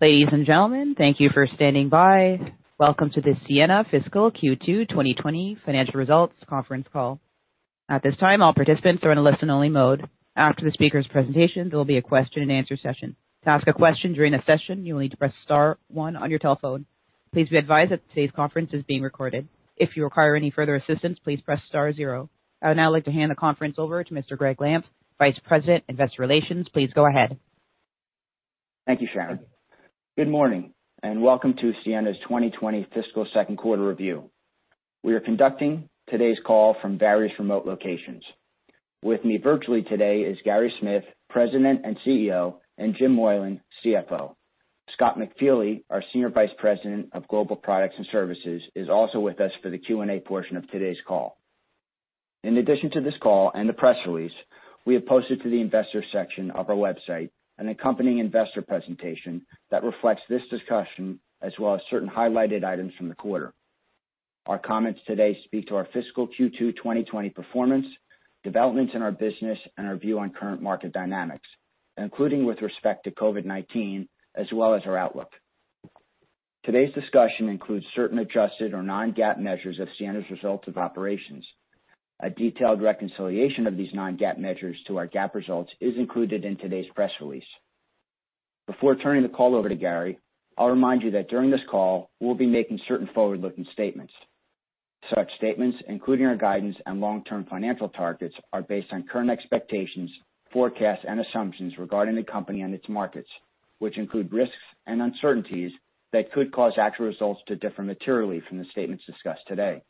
Ladies and gentlemen, thank you for standing by. Welcome to the Ciena Fiscal Q2 2020 Financial Results Conference Call. At this time, all participants are in a listen-only mode. After the speaker's presentation, there will be a question-and-answer session. To ask a question during the session, you will need to press star one on your telephone. Please be advised that today's conference is being recorded. If you require any further assistance, please press star zero. I would now like to hand the conference over to Mr. Gregg Lampf, Vice President, Investor Relations. Please go ahead. Thank you, Sharon. Good morning and welcome to Ciena's 2020 Fiscal Second Quarter Review. We are conducting today's call from various remote locations. With me virtually today is Gary Smith, President and CEO, and Jim Moylan, CFO. Scott McFeely, our Senior Vice President of Global Products and Services, is also with us for the Q&A portion of today's call. In addition to this call and the press release, we have posted to the investor section of our website an accompanying investor presentation that reflects this discussion as well as certain highlighted items from the quarter. Our comments today speak to our fiscal Q2 2020 performance, developments in our business, and our view on current market dynamics, including with respect to COVID-19 as well as our outlook. Today's discussion includes certain adjusted or non-GAAP measures of Ciena's results of operations. A detailed reconciliation of these non-GAAP measures to our GAAP results is included in today's press release. Before turning the call over to Gary, I'll remind you that during this call, we'll be making certain forward-looking statements. Such statements, including our guidance and long-term financial targets, are based on current expectations, forecasts, and assumptions regarding the company and its markets, which include risks and uncertainties that could cause actual results to differ materially from the statements discussed today.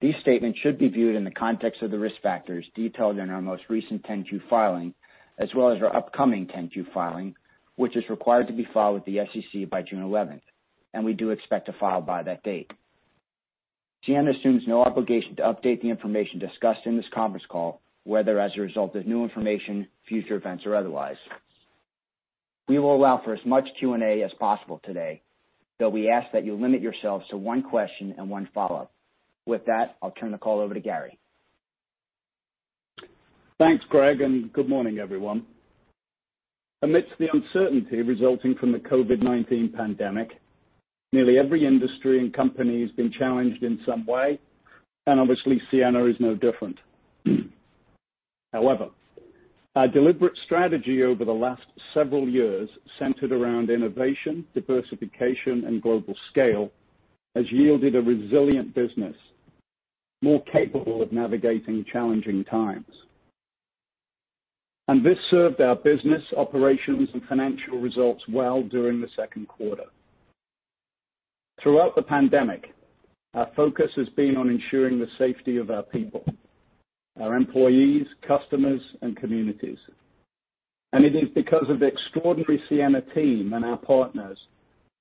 These statements should be viewed in the context of the risk factors detailed in our most recent 10-Q filing as well as our upcoming 10-Q filing, which is required to be filed with the SEC by June 11th, and we do expect to file by that date. Ciena assumes no obligation to update the information discussed in this conference call, whether as a result of new information, future events, or otherwise. We will allow for as much Q&A as possible today, though we ask that you limit yourselves to one question and one follow-up. With that, I'll turn the call over to Gary. Thanks, Gregg, and good morning, everyone. Amidst the uncertainty resulting from the COVID-19 pandemic, nearly every industry and company has been challenged in some way, and obviously, Ciena is no different. However, our deliberate strategy over the last several years, centered around innovation, diversification, and global scale, has yielded a resilient business more capable of navigating challenging times, and this served our business, operations, and financial results well during the second quarter. Throughout the pandemic, our focus has been on ensuring the safety of our people, our employees, customers, and communities, and it is because of the extraordinary Ciena team and our partners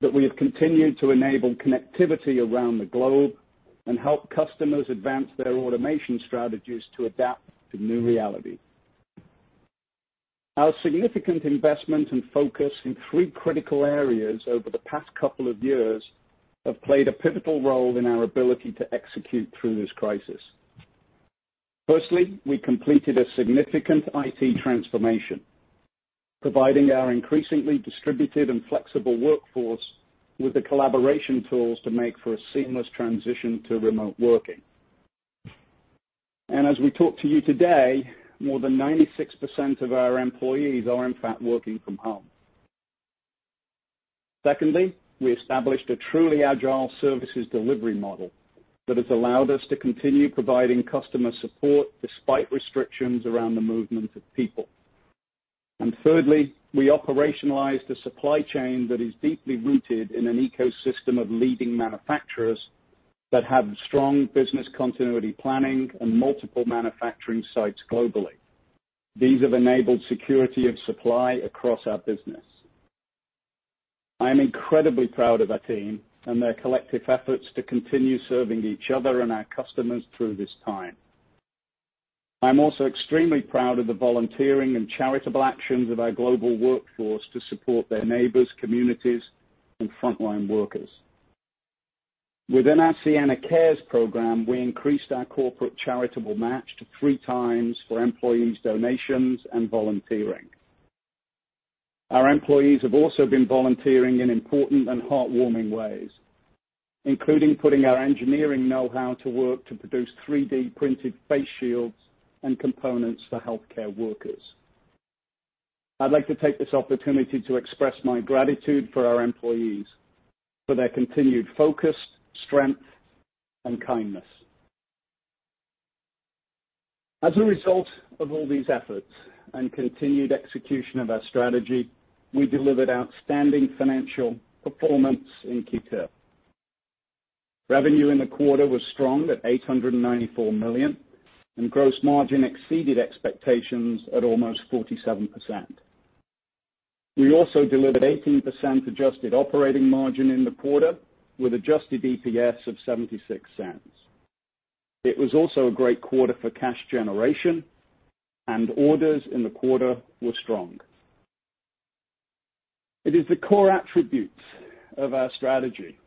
that we have continued to enable connectivity around the globe and help customers advance their automation strategies to adapt to new realities. Our significant investment and focus in three critical areas over the past couple of years have played a pivotal role in our ability to execute through this crisis. Firstly, we completed a significant IT transformation, providing our increasingly distributed and flexible workforce with the collaboration tools to make for a seamless transition to remote working. And as we talk to you today, more than 96% of our employees are, in fact, working from home. Secondly, we established a truly agile services delivery model that has allowed us to continue providing customer support despite restrictions around the movement of people. And thirdly, we operationalized a supply chain that is deeply rooted in an ecosystem of leading manufacturers that have strong business continuity planning and multiple manufacturing sites globally. These have enabled security of supply across our business. I am incredibly proud of our team and their collective efforts to continue serving each other and our customers through this time. I'm also extremely proud of the volunteering and charitable actions of our global workforce to support their neighbors, communities, and frontline workers. Within our Ciena Cares program, we increased our corporate charitable match to three times for employees' donations and volunteering. Our employees have also been volunteering in important and heartwarming ways, including putting our engineering know-how to work to produce 3D-printed face shields and components for healthcare workers. I'd like to take this opportunity to express my gratitude for our employees for their continued focus, strength, and kindness. As a result of all these efforts and continued execution of our strategy, we delivered outstanding financial performance in Q2. Revenue in the quarter was strong at $894 million, and gross margin exceeded expectations at almost 47%. We also delivered 18% adjusted operating margin in the quarter with adjusted EPS of $0.76. It was also a great quarter for cash generation, and orders in the quarter were strong. It is the core attributes of our strategy,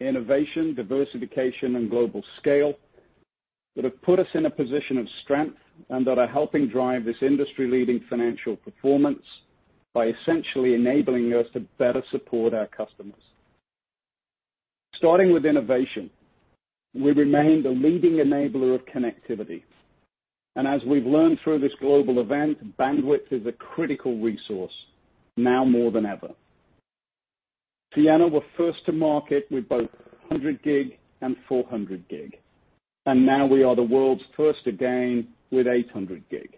innovation, diversification, and global scale, that have put us in a position of strength and that are helping drive this industry-leading financial performance by essentially enabling us to better support our customers. Starting with innovation, we remain the leading enabler of connectivity, and as we've learned through this global event, bandwidth is a critical resource now more than ever. Ciena was first to market with both 100G and 400G, and now we are the world's first again with 800G.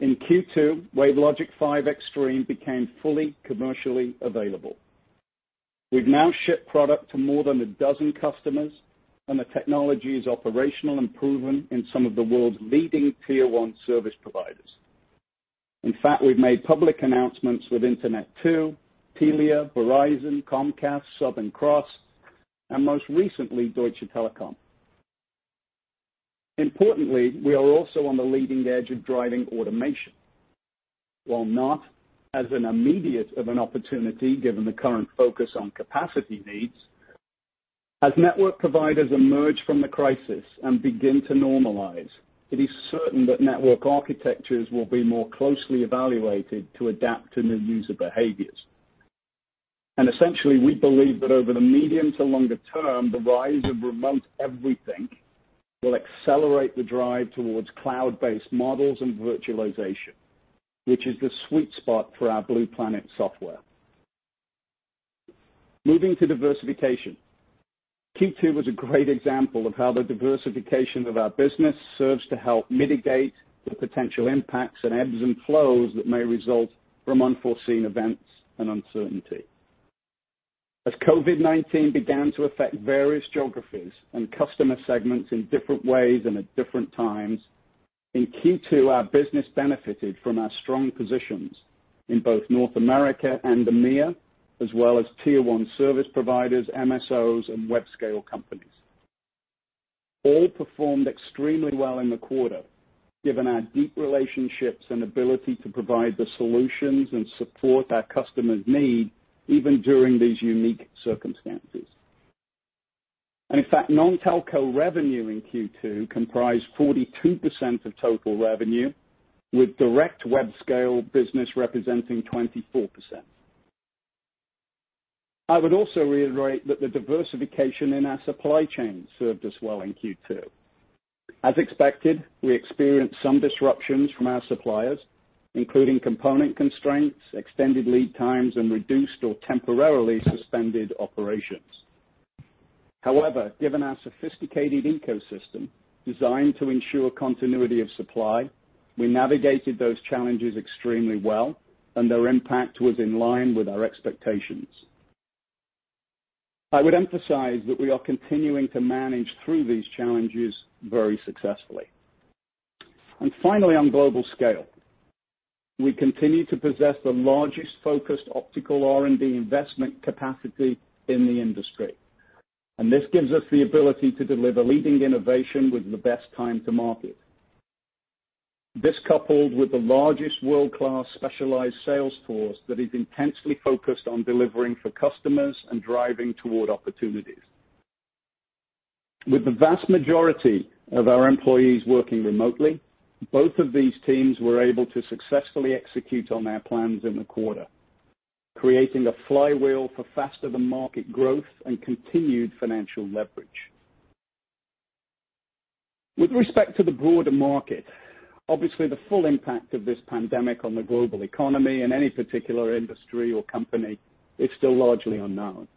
In Q2, WaveLogic 5 Extreme became fully commercially available. We've now shipped product to more than a dozen customers, and the technology is operational and proven in some of the world's leading Tier 1 service providers. In fact, we've made public announcements with Internet2, Telia, Verizon, Comcast, Southern Cross, and most recently, Deutsche Telekom. Importantly, we are also on the leading edge of driving automation. While not as immediate of an opportunity given the current focus on capacity needs, as network providers emerge from the crisis and begin to normalize, it is certain that network architectures will be more closely evaluated to adapt to new user behaviors, and essentially, we believe that over the medium to longer term, the rise of remote everything will accelerate the drive towards cloud-based models and virtualization, which is the sweet spot for our Blue Planet software. Moving to diversification, Q2 was a great example of how the diversification of our business serves to help mitigate the potential impacts and ebbs and flows that may result from unforeseen events and uncertainty. As COVID-19 began to affect various geographies and customer segments in different ways and at different times, in Q2, our business benefited from our strong positions in both North America and EMEA, as well as Tier-1 service providers, MSOs, and web-scale companies. All performed extremely well in the quarter, given our deep relationships and ability to provide the solutions and support our customers' needs even during these unique circumstances, and in fact, non-Telco revenue in Q2 comprised 42% of total revenue, with direct web-scale business representing 24%. I would also reiterate that the diversification in our supply chain served us well in Q2. As expected, we experienced some disruptions from our suppliers, including component constraints, extended lead times, and reduced or temporarily suspended operations. However, given our sophisticated ecosystem designed to ensure continuity of supply, we navigated those challenges extremely well, and their impact was in line with our expectations. I would emphasize that we are continuing to manage through these challenges very successfully. And finally, on global scale, we continue to possess the largest focused optical R&D investment capacity in the industry. And this gives us the ability to deliver leading innovation with the best time to market. This is coupled with the largest world-class specialized sales force that is intensely focused on delivering for customers and driving toward opportunities. With the vast majority of our employees working remotely, both of these teams were able to successfully execute on their plans in the quarter, creating a flywheel for faster-than-market growth and continued financial leverage. With respect to the broader market, obviously, the full impact of this pandemic on the global economy and any particular industry or company is still largely unknown.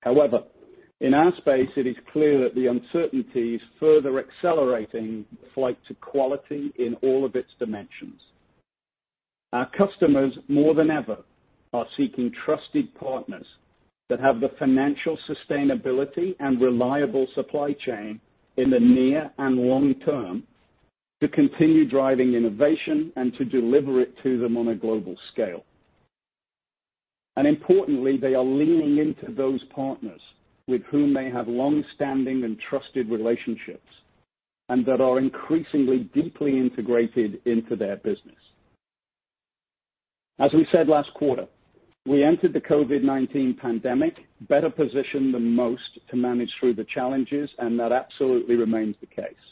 However, in our space, it is clear that the uncertainty is further accelerating the flight to quality in all of its dimensions. Our customers, more than ever, are seeking trusted partners that have the financial sustainability and reliable supply chain in the near and long term to continue driving innovation and to deliver it to them on a global scale and importantly, they are leaning into those partners with whom they have long-standing and trusted relationships and that are increasingly deeply integrated into their business. As we said last quarter, we entered the COVID-19 pandemic better positioned than most to manage through the challenges, and that absolutely remains the case.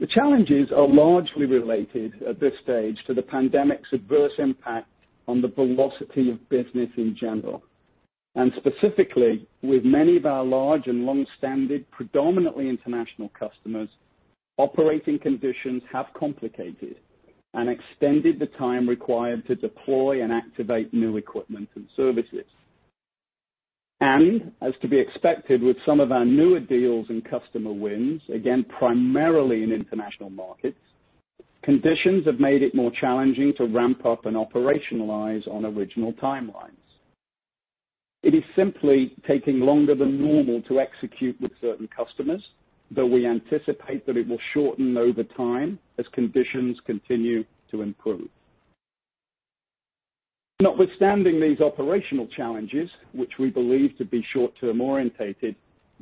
The challenges are largely related at this stage to the pandemic's adverse impact on the velocity of business in general. And specifically, with many of our large and long-standing, predominantly international customers, operating conditions have complicated and extended the time required to deploy and activate new equipment and services. And as to be expected with some of our newer deals and customer wins, again, primarily in international markets, conditions have made it more challenging to ramp up and operationalize on original timelines. It is simply taking longer than normal to execute with certain customers, though we anticipate that it will shorten over time as conditions continue to improve. Notwithstanding these operational challenges, which we believe to be short-term oriented,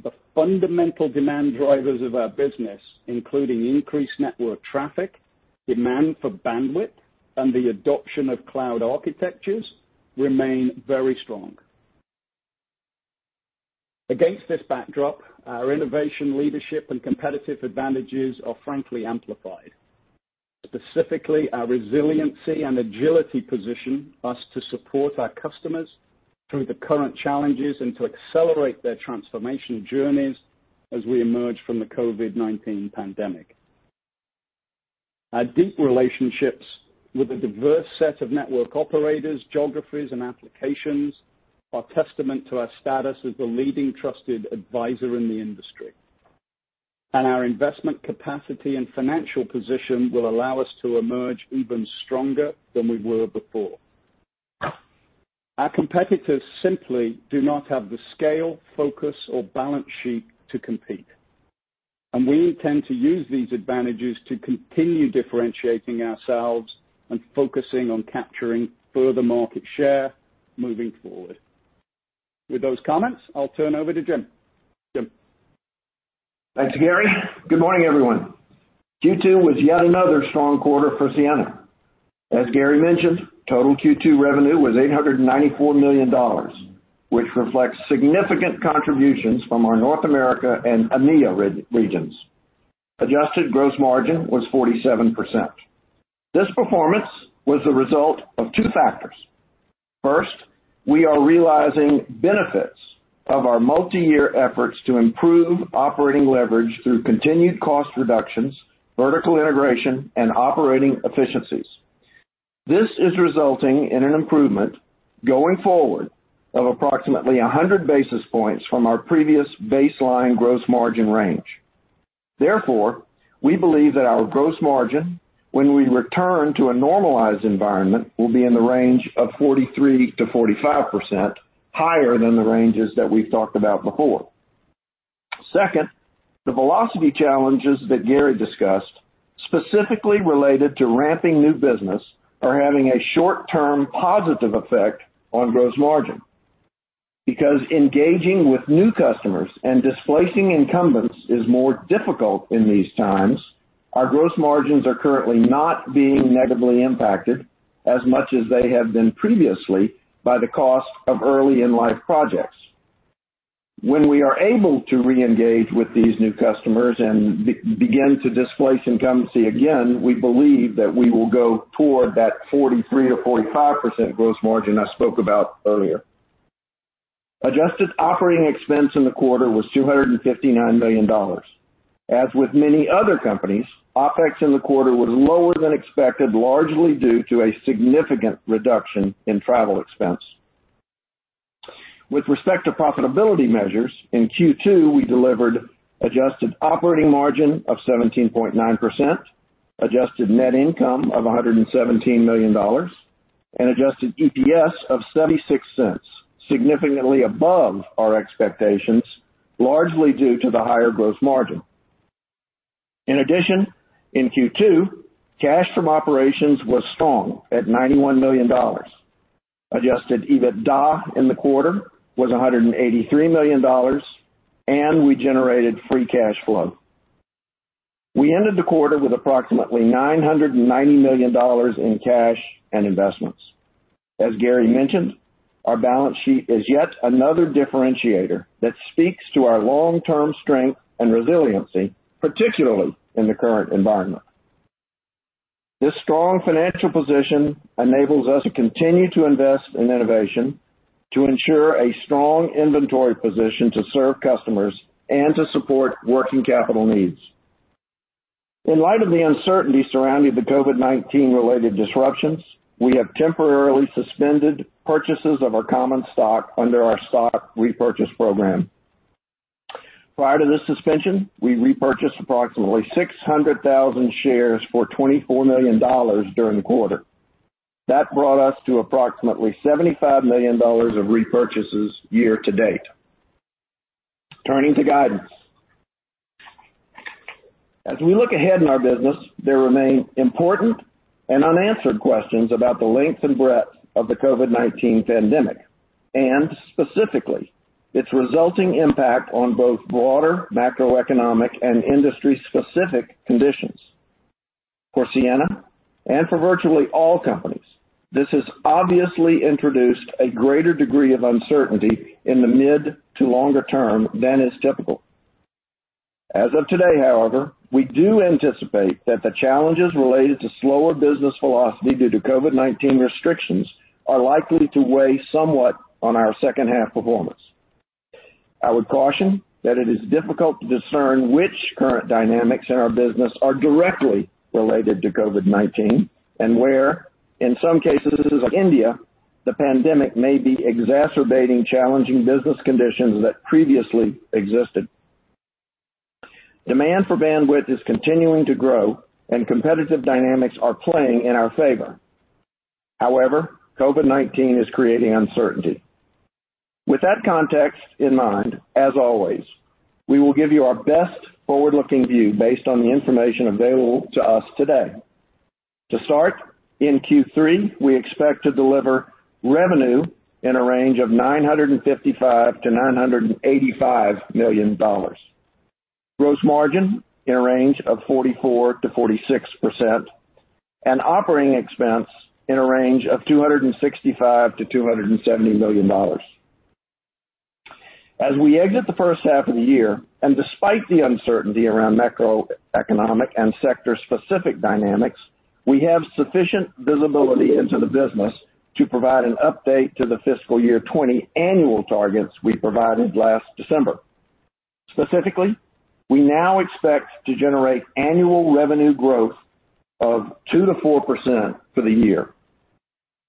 the fundamental demand drivers of our business, including increased network traffic, demand for bandwidth, and the adoption of cloud architectures, remain very strong. Against this backdrop, our innovation leadership and competitive advantages are frankly amplified. Specifically, our resiliency and agility position us to support our customers through the current challenges and to accelerate their transformation journeys as we emerge from the COVID-19 pandemic. Our deep relationships with a diverse set of network operators, geographies, and applications are testament to our status as the leading trusted advisor in the industry, and our investment capacity and financial position will allow us to emerge even stronger than we were before. Our competitors simply do not have the scale, focus, or balance sheet to compete. We intend to use these advantages to continue differentiating ourselves and focusing on capturing further market share moving forward. With those comments, I'll turn over to Jim. Jim. Thanks, Gary. Good morning, everyone. Q2 was yet another strong quarter for Ciena. As Gary mentioned, total Q2 revenue was $894 million, which reflects significant contributions from our North America and EMEA regions. Adjusted gross margin was 47%. This performance was the result of two factors. First, we are realizing benefits of our multi-year efforts to improve operating leverage through continued cost reductions, vertical integration, and operating efficiencies. This is resulting in an improvement going forward of approximately 100 basis points from our previous baseline gross margin range. Therefore, we believe that our gross margin, when we return to a normalized environment, will be in the range of 43%-45%, higher than the ranges that we've talked about before. Second, the velocity challenges that Gary discussed specifically related to ramping new business are having a short-term positive effect on gross margin. Because engaging with new customers and displacing incumbents is more difficult in these times, our gross margins are currently not being negatively impacted as much as they have been previously by the cost of early-in-life projects. When we are able to re-engage with these new customers and begin to displace incumbency again, we believe that we will go toward that 43%-45% gross margin I spoke about earlier. Adjusted operating expense in the quarter was $259 million. As with many other companies, OpEx in the quarter was lower than expected, largely due to a significant reduction in travel expense. With respect to profitability measures, in Q2, we delivered adjusted operating margin of 17.9%, adjusted net income of $117 million, and adjusted EPS of $0.76, significantly above our expectations, largely due to the higher gross margin. In addition, in Q2, cash from operations was strong at $91 million. Adjusted EBITDA in the quarter was $183 million, and we generated free cash flow. We ended the quarter with approximately $990 million in cash and investments. As Gary mentioned, our balance sheet is yet another differentiator that speaks to our long-term strength and resiliency, particularly in the current environment. This strong financial position enables us to continue to invest in innovation to ensure a strong inventory position to serve customers and to support working capital needs. In light of the uncertainty surrounding the COVID-19-related disruptions, we have temporarily suspended purchases of our common stock under our stock repurchase program. Prior to this suspension, we repurchased approximately 600,000 shares for $24 million during the quarter. That brought us to approximately $75 million of repurchases year-to-date. Turning to guidance. As we look ahead in our business, there remain important and unanswered questions about the length and breadth of the COVID-19 pandemic and specifically its resulting impact on both broader macroeconomic and industry-specific conditions. For Ciena and for virtually all companies, this has obviously introduced a greater degree of uncertainty in the mid to longer term than is typical. As of today, however, we do anticipate that the challenges related to slower business velocity due to COVID-19 restrictions are likely to weigh somewhat on our second-half performance. I would caution that it is difficult to discern which current dynamics in our business are directly related to COVID-19 and where, in some cases like India, the pandemic may be exacerbating challenging business conditions that previously existed. Demand for bandwidth is continuing to grow, and competitive dynamics are playing in our favor. However, COVID-19 is creating uncertainty. With that context in mind, as always, we will give you our best forward-looking view based on the information available to us today. To start, in Q3, we expect to deliver revenue in a range of $955-$985 million, gross margin in a range of 44%-46%, and operating expense in a range of $265-$270 million. As we exit the first half of the year, and despite the uncertainty around macroeconomic and sector-specific dynamics, we have sufficient visibility into the business to provide an update to the fiscal year 2020 annual targets we provided last December. Specifically, we now expect to generate annual revenue growth of 2%-4% for the year.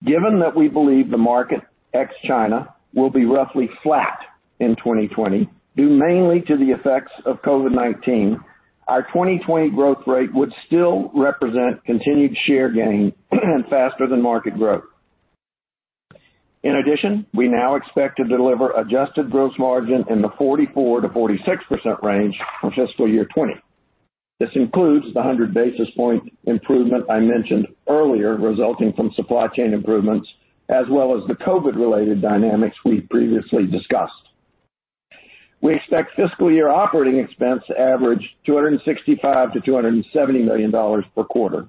Given that we believe the market ex-China will be roughly flat in 2020, due mainly to the effects of COVID-19, our 2020 growth rate would still represent continued share gain and faster-than-market growth. In addition, we now expect to deliver adjusted gross margin in the 44%-46% range for fiscal year 2020. This includes the 100 basis point improvement I mentioned earlier resulting from supply chain improvements, as well as the COVID-related dynamics we previously discussed. We expect fiscal year operating expense to average $265-$270 million per quarter.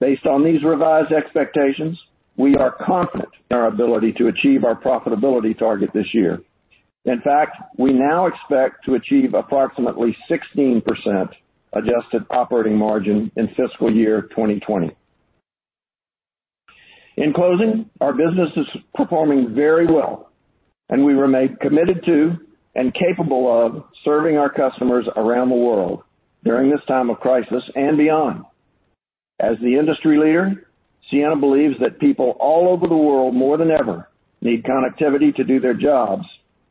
Based on these revised expectations, we are confident in our ability to achieve our profitability target this year. In fact, we now expect to achieve approximately 16% adjusted operating margin in fiscal year 2020. In closing, our business is performing very well, and we remain committed to and capable of serving our customers around the world during this time of crisis and beyond. As the industry leader, Ciena believes that people all over the world, more than ever, need connectivity to do their jobs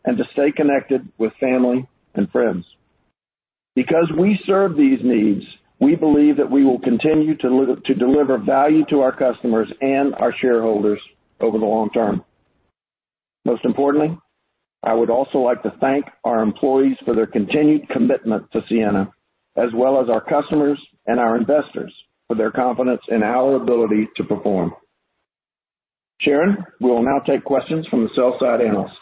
and to stay connected with family and friends. Because we serve these needs, we believe that we will continue to deliver value to our customers and our shareholders over the long term. Most importantly, I would also like to thank our employees for their continued commitment to Ciena, as well as our customers and our investors for their confidence in our ability to perform. Sharon, we will now take questions from the sell-side analysts.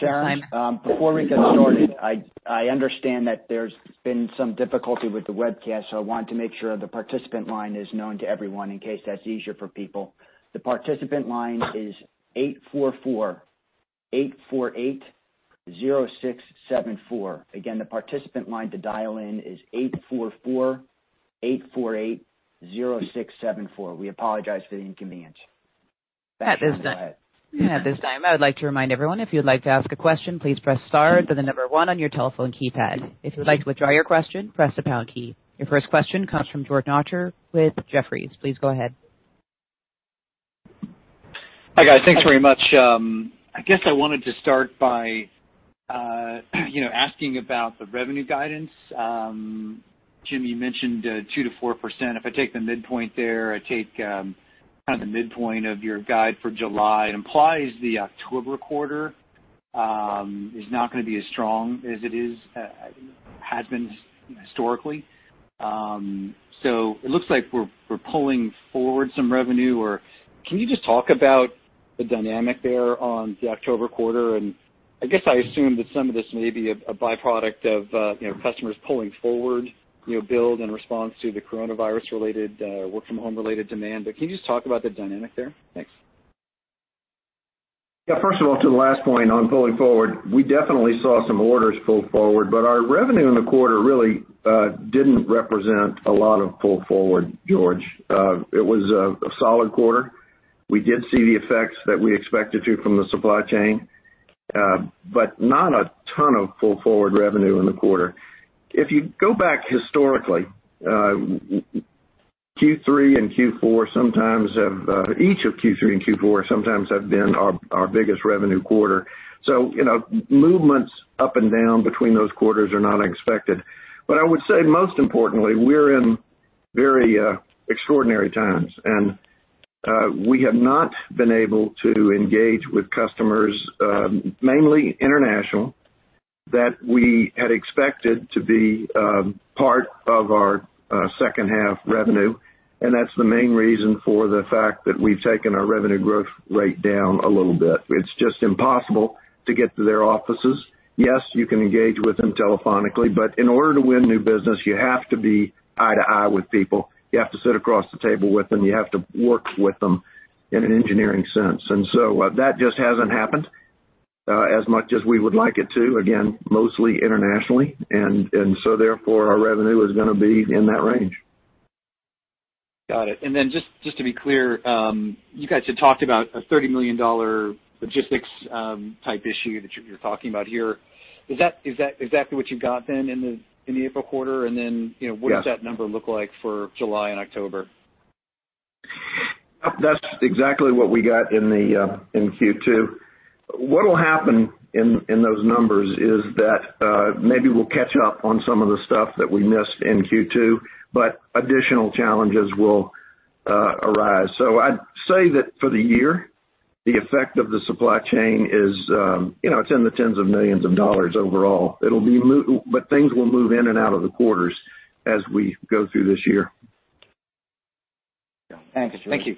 Sharon. Before we get started, I understand that there's been some difficulty with the webcast, so I wanted to make sure the participant line is known to everyone in case that's easier for people. The participant line is 844-848-0674. Again, the participant line to dial in is 844-848-0674. We apologize for the inconvenience. At this time. At this time, I would like to remind everyone, if you'd like to ask a question, please press star to the number one on your telephone keypad. If you'd like to withdraw your question, press the pound key. Your first question comes from George Notter with Jefferies. Please go ahead. Hi, guys. Thanks very much. I guess I wanted to start by asking about the revenue guidance. Jim, you mentioned 2%-4%. If I take the midpoint there, I take kind of the midpoint of your guide for July, it implies the October quarter is not going to be as strong as it has been historically. So it looks like we're pulling forward some revenue. Or can you just talk about the dynamic there on the October quarter? And I guess I assume that some of this may be a byproduct of customers pulling forward, build in response to the coronavirus-related, work-from-home-related demand. But can you just talk about the dynamic there? Thanks. Yeah. First of all, to the last point on pulling forward, we definitely saw some orders pull forward, but our revenue in the quarter really didn't represent a lot of pull forward, George. It was a solid quarter. We did see the effects that we expected to from the supply chain, but not a ton of pull forward revenue in the quarter. If you go back historically, Q3 and Q4 sometimes have, each of Q3 and Q4 sometimes have been our biggest revenue quarter. So movements up and down between those quarters are not unexpected. But I would say, most importantly, we're in very extraordinary times, and we have not been able to engage with customers, mainly international, that we had expected to be part of our second-half revenue. And that's the main reason for the fact that we've taken our revenue growth rate down a little bit. It's just impossible to get to their offices. Yes, you can engage with them telephonically, but in order to win new business, you have to be eye to eye with people. You have to sit across the table with them. You have to work with them in an engineering sense. And so that just hasn't happened as much as we would like it to. Again, mostly internationally. And so, therefore, our revenue is going to be in that range. Got it. And then just to be clear, you guys had talked about a $30 million logistics-type issue that you're talking about here. Is that exactly what you got then in the April quarter? And then what does that number look like for July and October? That's exactly what we got in Q2. What will happen in those numbers is that maybe we'll catch up on some of the stuff that we missed in Q2, but additional challenges will arise. So I'd say that for the year, the effect of the supply chain is it's in the tens of millions of dollars overall. But things will move in and out of the quarters as we go through this year. Thanks, George. Thank you.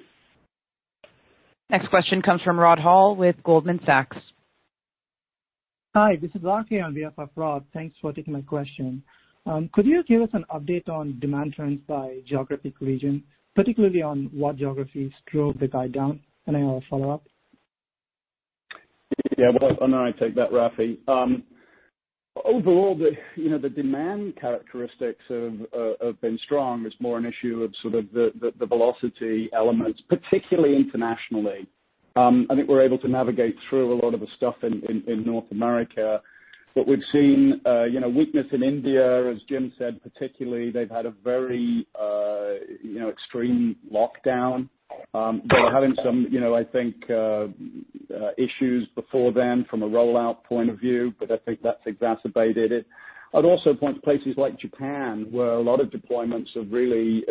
Next question comes from Rod Hall with Goldman Sachs. Hi. This is Rakhi on behalf of Rod. Thanks for taking my question. Could you give us an update on demand trends by geographic region, particularly on what geographies drove the guide down? And I have a follow-up. Yeah. Well, I'll take that, Rathi. Overall, the demand characteristics have been strong. It's more an issue of sort of the velocity elements, particularly internationally. I think we're able to navigate through a lot of the stuff in North America. But we've seen weakness in India, as Jim said, particularly. They've had a very extreme lockdown. They were having some, I think, issues before then from a rollout point of view, but I think that's exacerbated it. I'd also point to places like Japan where a lot of deployments have really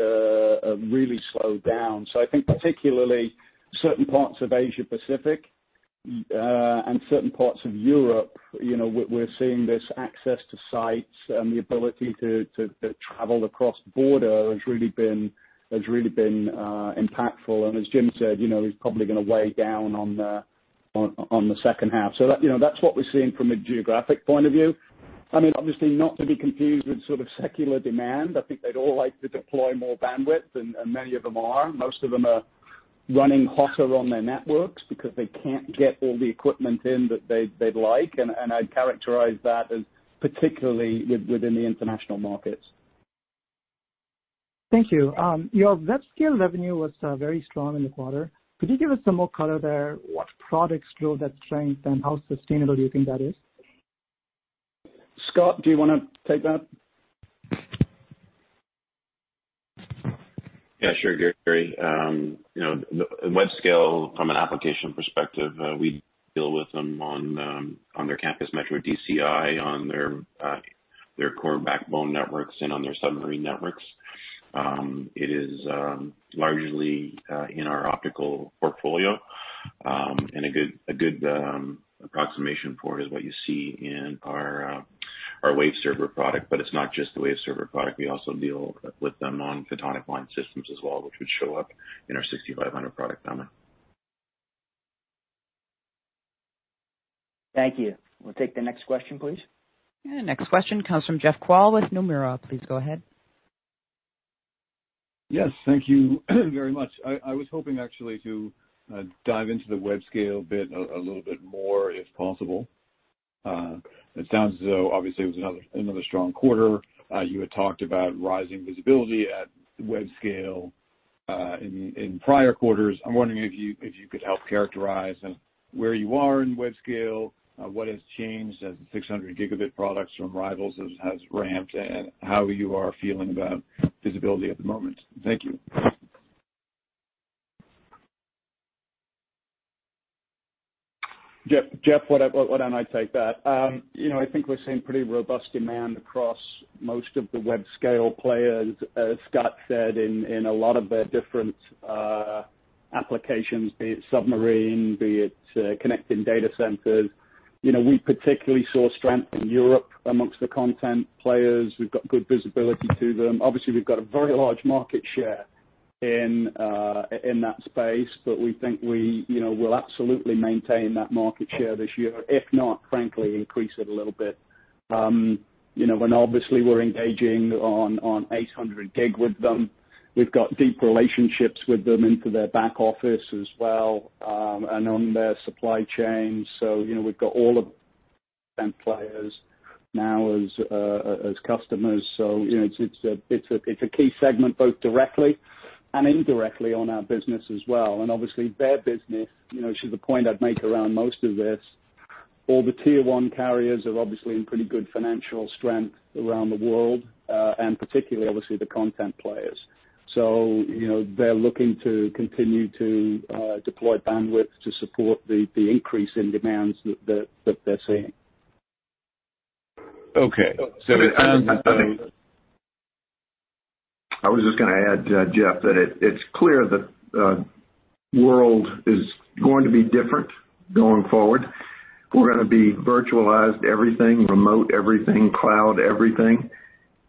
slowed down. So I think particularly certain parts of Asia-Pacific and certain parts of Europe, we're seeing this access to sites and the ability to travel across border has really been impactful. And as Jim said, it's probably going to weigh down on the second half. So that's what we're seeing from a geographic point of view. I mean, obviously, not to be confused with sort of secular demand. I think they'd all like to deploy more bandwidth, and many of them are. Most of them are running hotter on their networks because they can't get all the equipment in that they'd like. And I'd characterize that as particularly within the international markets. Thank you. Your web-scale revenue was very strong in the quarter. Could you give us some more color there? What products drove that strength, and how sustainable do you think that is? Scott, do you want to take that? Yeah. Sure, Gary. The web-scale, from an application perspective, we deal with them on their campus metro DCI, on their core backbone networks, and on their submarine networks. It is largely in our optical portfolio, and a good approximation for it is what you see in our Waveserver product, but it's not just the Waveserver product. We also deal with them on photonic line systems as well, which would show up in our 6500 product family. Thank you. We'll take the next question, please. The next question comes from Jeff Kvaal with Nomura. Please go ahead. Yes. Thank you very much. I was hoping, actually, to dive into the web-scale a little bit more if possible. It sounds as though, obviously, it was another strong quarter. You had talked about rising visibility at web-scale in prior quarters. I'm wondering if you could help characterize where you are in web-scale, what has changed as the 600-gigabit products from rivals have ramped, and how you are feeling about visibility at the moment. Thank you. Jeff, why don't I take that? I think we're seeing pretty robust demand across most of the Webscale players, as Scott said, in a lot of their different applications, be it submarine, be it connecting data centers. We particularly saw strength in Europe among the content players. We've got good visibility to them. Obviously, we've got a very large market share in that space, but we think we will absolutely maintain that market share this year, if not, frankly, increase it a little bit. And obviously, we're engaging on 800G with them. We've got deep relationships with them into their back office as well and on their supply chain. So we've got all of the content players now as customers. So it's a key segment both directly and indirectly on our business as well. And obviously, their business, which is the point I'd make around most of this, all the Tier-1 carriers are obviously in pretty good financial strength around the world, and particularly, obviously, the content players, so they're looking to continue to deploy bandwidth to support the increase in demands that they're seeing. Okay. So it sounds as though. I was just going to add, Jeff, that it's clear the world is going to be different going forward. We're going to be virtualized everything, remote everything, cloud everything,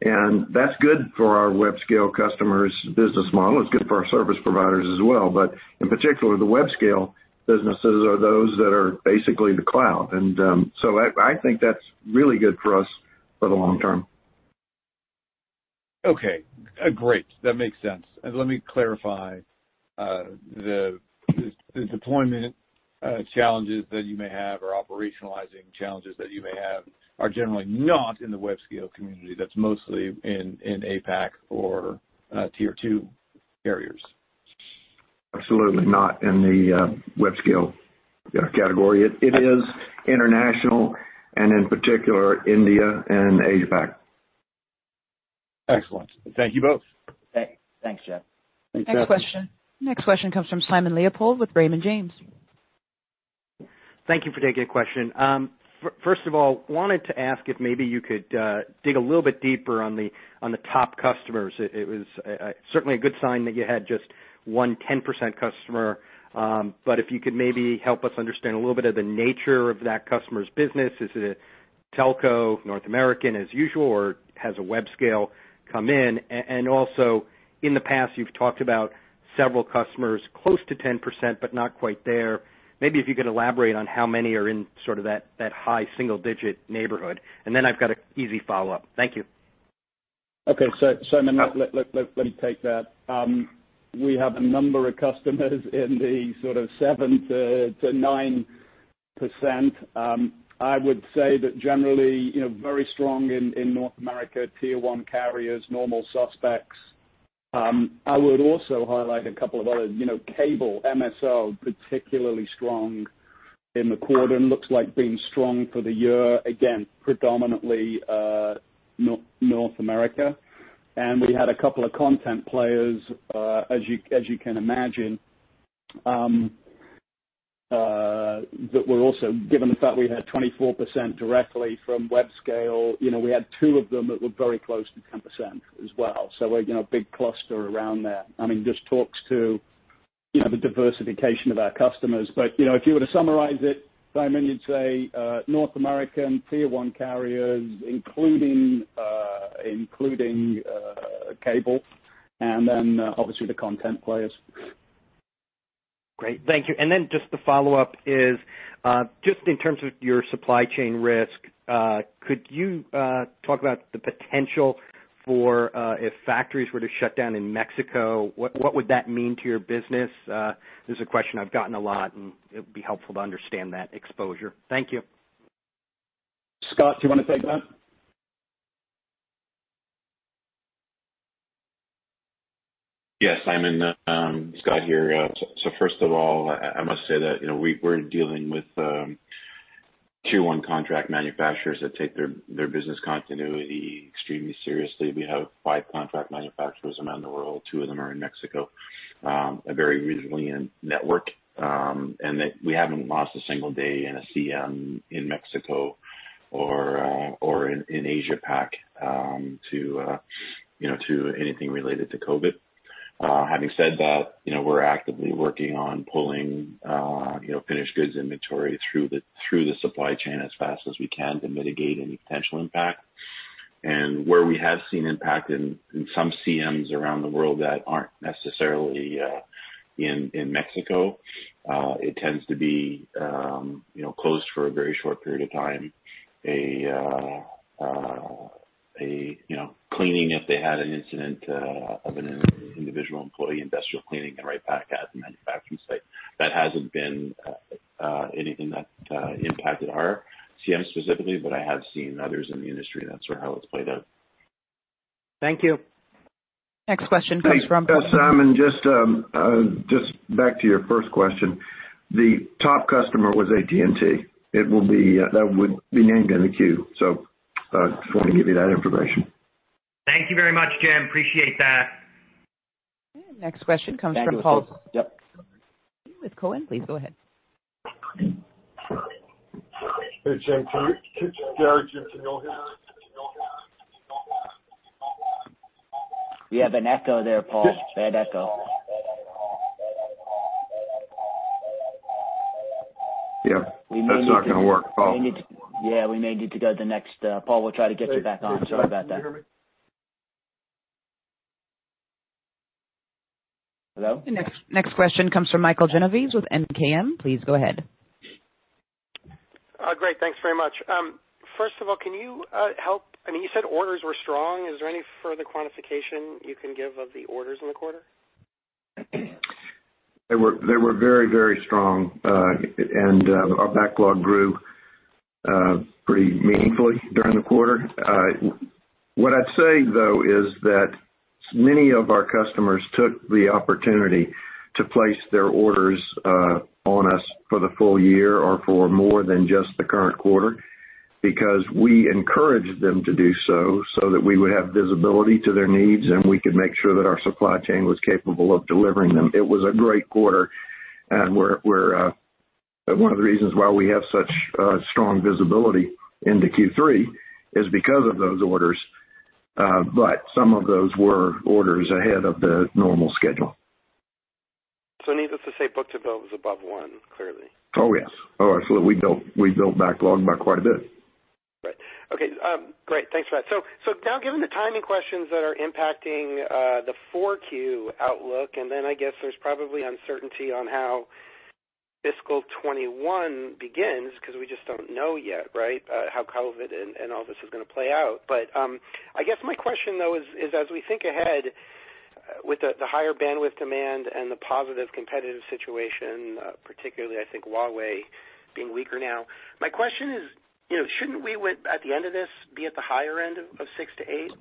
and that's good for our Webscale customers' business model. It's good for our service providers as well, but in particular, the Webscale businesses are those that are basically the cloud, and so I think that's really good for us for the long term. Okay. Great. That makes sense. And let me clarify. The deployment challenges that you may have or operationalizing challenges that you may have are generally not in the Webscale community. That's mostly in APAC or tier two carriers. Absolutely not in the Webscale category. It is international and, in particular, India and Asia-Pac. Excellent. Thank you both. Thanks, Jeff. Thanks. Next question. Next question comes from Simon Leopold with Raymond James. Thank you for taking a question. First of all, wanted to ask if maybe you could dig a little bit deeper on the top customers. It was certainly a good sign that you had just one 10% customer. But if you could maybe help us understand a little bit of the nature of that customer's business. Is it a telco, North American as usual, or has a Webscale come in? And also, in the past, you've talked about several customers, close to 10%, but not quite there. Maybe if you could elaborate on how many are in sort of that high single-digit neighborhood. And then I've got an easy follow-up. Thank you. Okay. So Simon, let me take that. We have a number of customers in the sort of 7%-9%. I would say that generally very strong in North America, Tier 1 carriers, usual suspects. I would also highlight a couple of other cable MSOs, particularly strong in the quarter and looks like being strong for the year. Again, predominantly North America. And we had a couple of content players, as you can imagine, that were also given the fact we had 24% directly from web-scale. We had two of them that were very close to 10% as well. So a big cluster around there. I mean, just talks to the diversification of our customers. But if you were to summarize it, Simon, you'd say North American Tier 1 carriers, including cable, and then obviously the content players. Great. Thank you. And then just the follow-up is just in terms of your supply chain risk, could you talk about the potential for if factories were to shut down in Mexico, what would that mean to your business? This is a question I've gotten a lot, and it would be helpful to understand that exposure. Thank you. Scott, do you want to take that? Yes. Simon, Scott here. So first of all, I must say that we're dealing with tier one contract manufacturers that take their business continuity extremely seriously. We have five contract manufacturers around the world. Two of them are in Mexico. A very resilient network. And we haven't lost a single day in a CM in Mexico or in Asia-Pac to anything related to COVID. Having said that, we're actively working on pulling finished goods inventory through the supply chain as fast as we can to mitigate any potential impact. And where we have seen impact in some CMs around the world that aren't necessarily in Mexico, it tends to be closed for a very short period of time. A cleaning, if they had an incident of an individual employee industrial cleaning and right back at the manufacturing site. That hasn't been anything that impacted our CM specifically, but I have seen others in the industry. That's sort of how it's played out. Thank you. Next question comes from. Hey, Simon, just back to your first question. The top customer was AT&T. That would be named in the queue. So I just wanted to give you that information. Thank you very much, Jim. Appreciate that. Next question comes from Paul. Yep. With Cowen, please go ahead. Hey, Jim. Can you hear us? We have an echo there, Paul. Bad echo. Yeah. That's not going to work, Paul. Yeah. We may need to go to the next Paul, we'll try to get you back on. Sorry about that. Hello? Next question comes from Michael Genovese with MKM. Please go ahead. Great. Thanks very much. First of all, can you help? I mean, you said orders were strong. Is there any further quantification you can give of the orders in the quarter? They were very, very strong. And our backlog grew pretty meaningfully during the quarter. What I'd say, though, is that many of our customers took the opportunity to place their orders on us for the full year or for more than just the current quarter because we encouraged them to do so so that we would have visibility to their needs and we could make sure that our supply chain was capable of delivering them. It was a great quarter. And one of the reasons why we have such strong visibility into Q3 is because of those orders. But some of those were orders ahead of the normal schedule. So needless to say, Book-to-bill was above one, clearly. Oh, yes. Oh, absolutely. We built backlog by quite a bit. Right. Okay. Great. Thanks for that. So now, given the timing questions that are impacting the Q4 outlook, and then I guess there's probably uncertainty on how fiscal 2021 begins because we just don't know yet, right, how COVID and all this is going to play out. But I guess my question, though, is as we think ahead with the higher bandwidth demand and the positive competitive situation, particularly, I think, Huawei being weaker now, my question is, shouldn't we, at the end of this, be at the higher end of six to eight?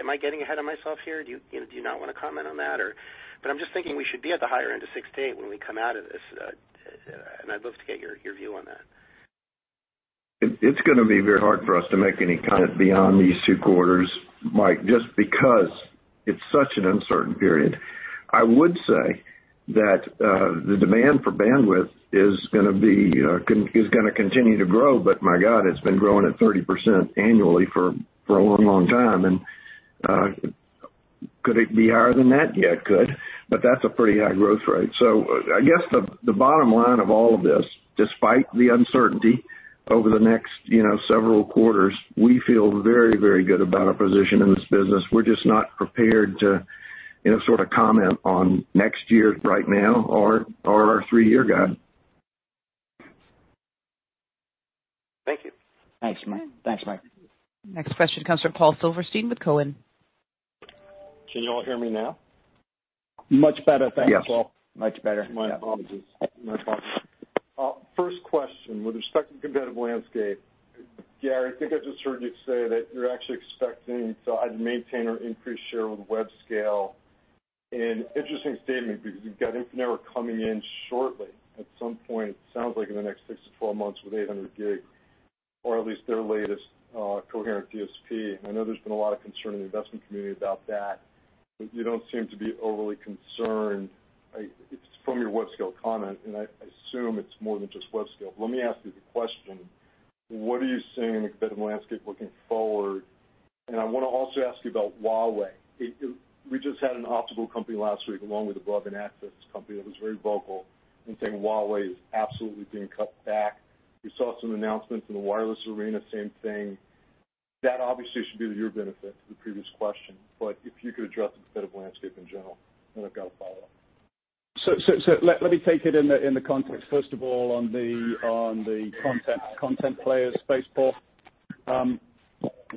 Am I getting ahead of myself here? Do you not want to comment on that? But I'm just thinking we should be at the higher end of six to eight when we come out of this. And I'd love to get your view on that. It's going to be very hard for us to make any that beyond these two quarters might just because it's such an uncertain period. I would say that the demand for bandwidth is going to continue to grow, but my God, it's been growing at 30% annually for a long, long time, and could it be higher than that? Yeah, it could, but that's a pretty high growth rate, so I guess the bottom line of all of this, despite the uncertainty over the next several quarters, we feel very, very good about our position in this business. We're just not prepared to sort of comment on next year right now or our three-year guide. Thank you. Thanks, Mike. Next question comes from Paul Silverstein with Coherent. Can you all hear me now? Much better. Thank you, Paul. Yes. Much better. My apologies. My apologies. First question, with respect to competitive landscape, Gary, I think I just heard you say that you're actually expecting to either maintain or increase share with Webscale. And interesting statement because you've got Infinera coming in shortly at some point, it sounds like, in the next 6-12 months with 800G, or at least their latest coherent DSP. I know there's been a lot of concern in the investment community about that, but you don't seem to be overly concerned. It's from your Webscale comment, and I assume it's more than just Webscale. But let me ask you the question. What are you seeing in the competitive landscape looking forward? And I want to also ask you about Huawei. We just had an optical company last week along with a broadband access company that was very vocal and saying Huawei is absolutely being cut back. We saw some announcements in the wireless arena, same thing. That obviously should be to your benefit to the previous question, but if you could address the competitive landscape in general, then I've got a follow-up. So let me take it in the context. First of all, on the content players space, Paul.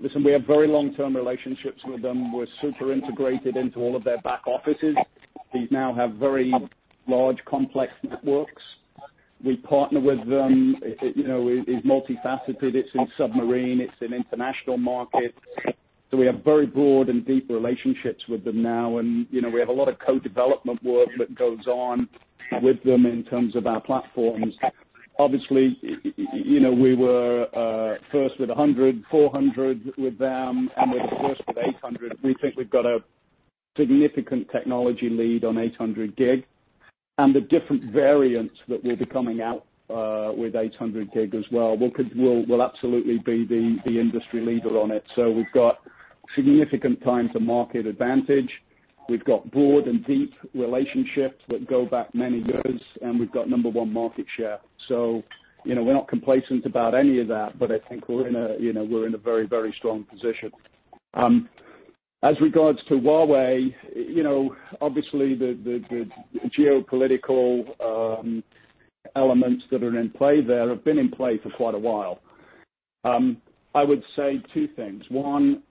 Listen, we have very long-term relationships with them. We're super integrated into all of their backbones. These now have very large complex networks. We partner with them. It's multifaceted. It's in submarine. It's an international market. So we have very broad and deep relationships with them now. And we have a lot of co-development work that goes on with them in terms of our platforms. Obviously, we were first with 100G, 400G with them, and we're the first with 800G. We think we've got a significant technology lead on 800G. And the different variants that will be coming out with 800G as well will absolutely be the industry leader on it. So we've got significant time-to-market advantage. We've got broad and deep relationships that go back many years, and we've got number one market share. So we're not complacent about any of that, but I think we're in a very, very strong position. As regards to Huawei, obviously, the geopolitical elements that are in play there have been in play for quite a while. I would say two things. One,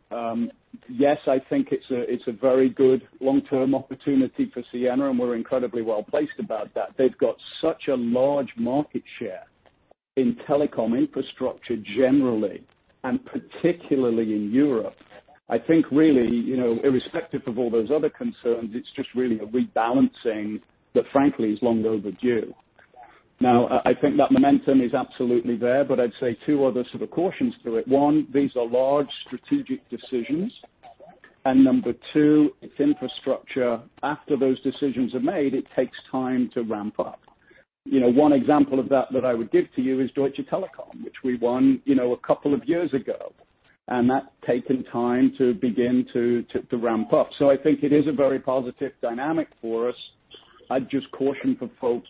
yes, I think it's a very good long-term opportunity for Ciena, and we're incredibly well placed about that. They've got such a large market share in telecom infrastructure generally, and particularly in Europe. I think really, irrespective of all those other concerns, it's just really a rebalancing that, frankly, is long overdue. Now, I think that momentum is absolutely there, but I'd say two other sort of cautions to it. One, these are large strategic decisions. And number two, it's infrastructure. After those decisions are made, it takes time to ramp up. One example of that that I would give to you is Deutsche Telekom, which we won a couple of years ago, and that's taken time to begin to ramp up. So I think it is a very positive dynamic for us. I'd just caution for folks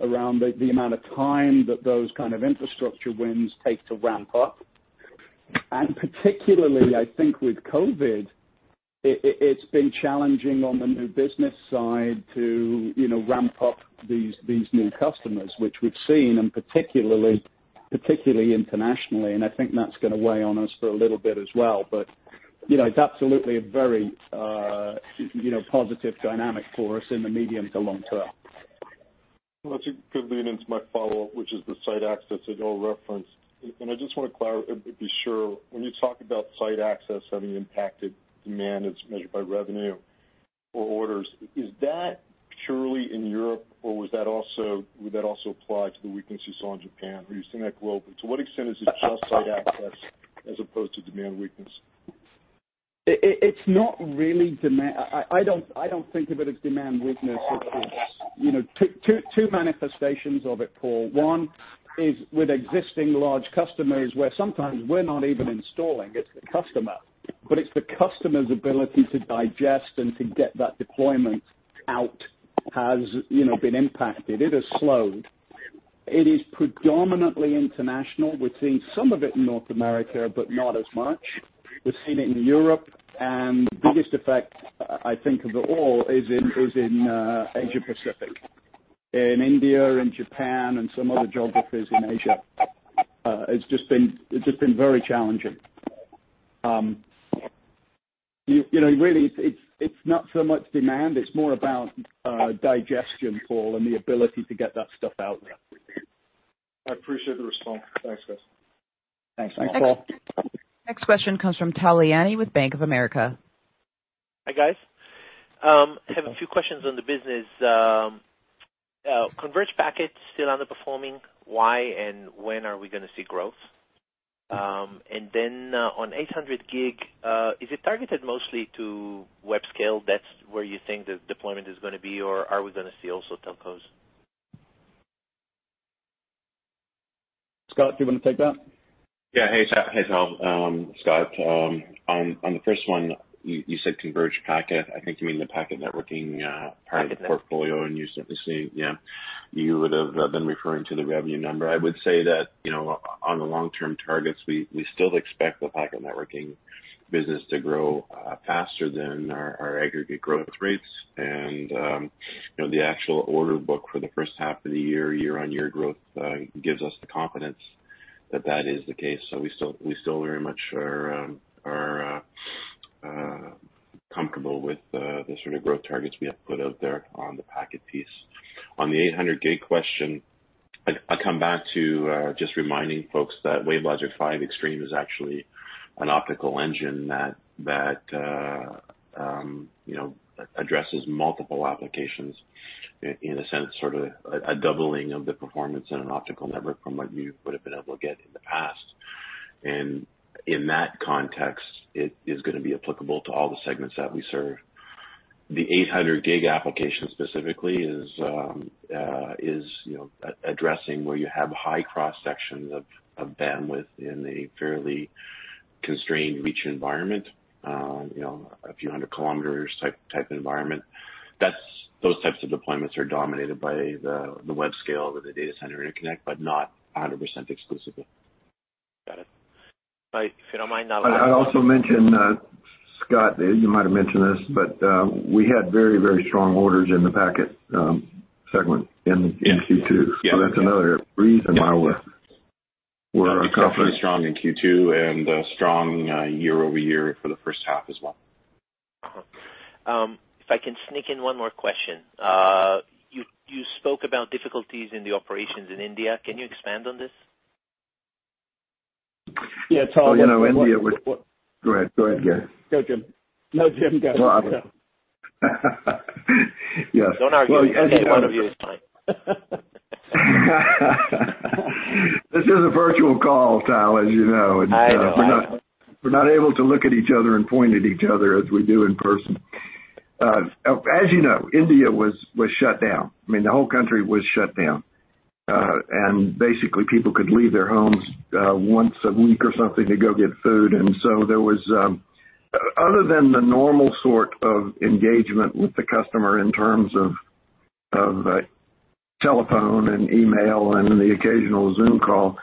around the amount of time that those kind of infrastructure wins take to ramp up, and particularly, I think with COVID, it's been challenging on the new business side to ramp up these new customers, which we've seen in particularly internationally. And I think that's going to weigh on us for a little bit as well, but it's absolutely a very positive dynamic for us in the medium to long term. Well, that's a good lead into my follow-up, which is the site access that you all referenced. And I just want to be sure, when you talk about site access having impacted demand as measured by revenue or orders, is that purely in Europe, or would that also apply to the weakness you saw in Japan? Are you seeing that globally? To what extent is it just site access as opposed to demand weakness? It's not really demand. I don't think of it as demand weakness. It's two manifestations of it, Paul. One is with existing large customers where sometimes we're not even installing. It's the customer. But it's the customer's ability to digest and to get that deployment out has been impacted. It has slowed. It is predominantly international. We're seeing some of it in North America, but not as much. We've seen it in Europe, and the biggest effect, I think, of it all is in Asia-Pacific, in India, in Japan, and some other geographies in Asia. It's just been very challenging. Really, it's not so much demand. It's more about digestion, Paul, and the ability to get that stuff out there. I appreciate the response. Thanks, guys. Thanks. Thanks, Paul. Next question comes from Tal Liani with Bank of America. Hi, guys. I have a few questions on the business. Converged packet is still underperforming. Why and when are we going to see growth? And then on 800G, is it targeted mostly to Webscale? That's where you think the deployment is going to be, or are we going to see also telcos? Scott, do you want to take that? Yeah. Hey, Tom. Scott, on the first one, you said converged packet. I think you mean the packet networking part of the portfolio, and you certainly see yeah, you would have been referring to the revenue number. I would say that on the long-term targets, we still expect the packet networking business to grow faster than our aggregate growth rates, and the actual order book for the first half of the year, year-on-year growth gives us the confidence that that is the case. So we still very much are comfortable with the sort of growth targets we have put out there on the packet piece. On the 800G question, I come back to just reminding folks that WaveLogic 5 Extreme is actually an optical engine that addresses multiple applications in a sense, sort of a doubling of the performance in an optical network from what you would have been able to get in the past. And in that context, it is going to be applicable to all the segments that we serve. The 800G application specifically is addressing where you have high cross-sections of bandwidth in a fairly constrained reach environment, a few hundred kilometers type environment. Those types of deployments are dominated by the web-scale with the data center interconnect, but not 100% exclusively. Got it. If you don't mind, I'll add. I'd also mention, Scott, you might have mentioned this, but we had very, very strong orders in the packet segment in Q2. So that's another reason why we're accomplished. We're extremely strong in Q2 and strong year-over-year for the first half as well. If I can sneak in one more question. You spoke about difficulties in the operations in India. Can you expand on this? Yeah. Tom, I know India was. Go ahead. Go ahead, Gary. No, Jim. No, Jim, Gary. Yes. Don't argue with me. One of you is fine. This is a virtual call, Tom, as you know. We're not able to look at each other and point at each other as we do in person. As you know, India was shut down. I mean, the whole country was shut down. And basically, people could leave their homes once a week or something to go get food. And so there was, other than the normal sort of engagement with the customer in terms of telephone and email and the occasional Zoom call,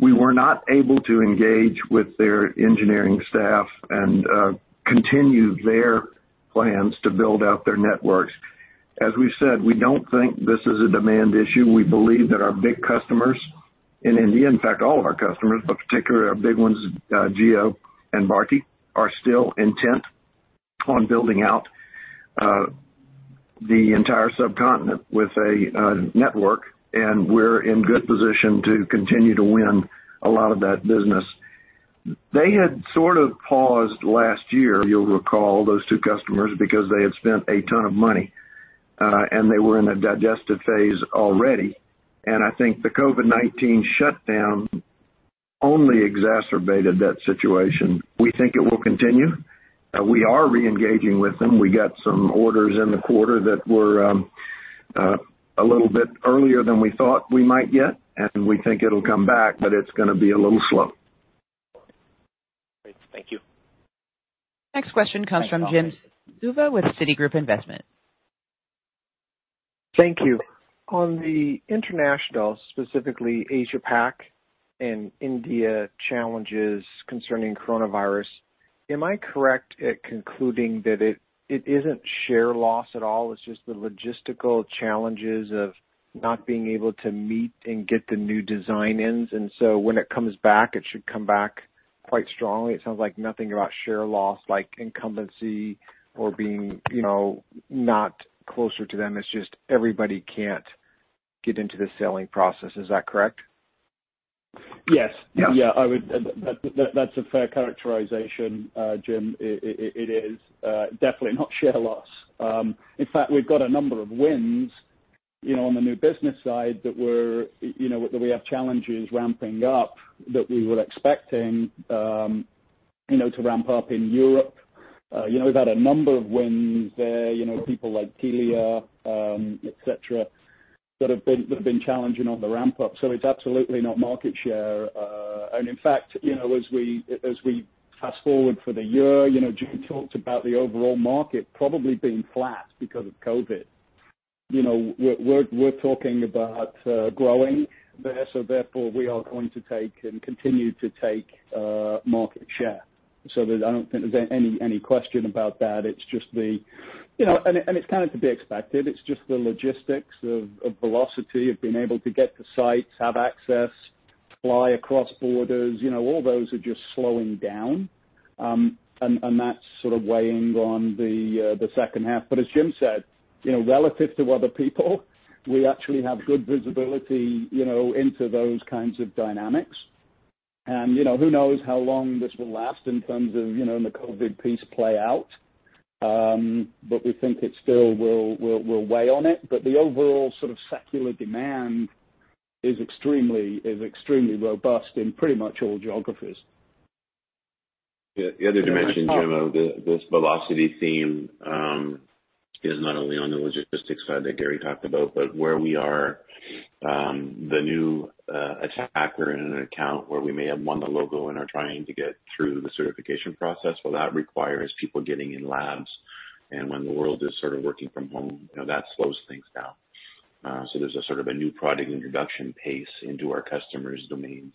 we were not able to engage with their engineering staff and continue their plans to build out their networks. As we've said, we don't think this is a demand issue. We believe that our big customers in India, in fact, all of our customers, but particularly our big ones, Jio and Bharti, are still intent on building out the entire subcontinent with a network. And we're in good position to continue to win a lot of that business. They had sort of paused last year, you'll recall, those two customers because they had spent a ton of money, and they were in a digestive phase already. And I think the COVID-19 shutdown only exacerbated that situation. We think it will continue. We are re-engaging with them. We got some orders in the quarter that were a little bit earlier than we thought we might get. And we think it'll come back, but it's going to be a little slow. Great. Thank you. Next question comes from Jim Suva with Citi. Thank you. On the international, specifically Asia-Pac and India challenges concerning coronavirus, am I correct in concluding that it isn't share loss at all? It's just the logistical challenges of not being able to meet and get the new design ins, and so when it comes back, it should come back quite strongly. It sounds like nothing about share loss like incumbency or being not closer to them. It's just everybody can't get into the selling process. Is that correct? Yes. Yeah, that's a fair characterization, Jim. It is definitely not share loss. In fact, we've got a number of wins on the new business side that we have challenges ramping up that we were expecting to ramp up in Europe. We've had a number of wins there, people like Telia, etc., that have been challenging on the ramp-up. So it's absolutely not market share. In fact, as we fast forward for the year, Jim talked about the overall market probably being flat because of COVID. We're talking about growing there. Therefore, we are going to take and continue to take market share. I don't think there's any question about that. It's just the, and it's kind of to be expected. It's just the logistics of velocity of being able to get to sites, have access, fly across borders. All those are just slowing down. That's sort of weighing on the second half. As Jim said, relative to other people, we actually have good visibility into those kinds of dynamics. Who knows how long this will last in terms of the COVID piece play out. We think it still will weigh on it. The overall sort of secular demand is extremely robust in pretty much all geographies. The other dimension, Jim, of this velocity theme is not only on the logistics side that Gary talked about, but where we are, the new attacker in an account where we may have won the logo and are trying to get through the certification process, well, that requires people getting in labs, and when the world is sort of working from home, that slows things down, so there's a sort of a new product introduction pace into our customers' domains